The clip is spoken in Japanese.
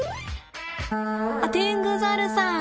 あっテングザルさん！